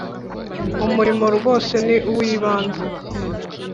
Umurimo rwose ni uw’ibanze